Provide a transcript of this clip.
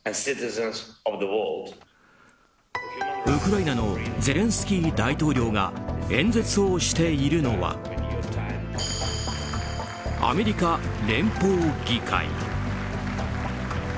ウクライナのゼレンスキー大統領が演説をしているのはアメリカ連邦議会。